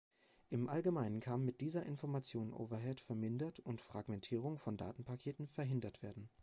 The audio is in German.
Im Allgemeinen kann mit dieser Information Overhead vermindert und Fragmentierung von Datenpaketen verhindert werden.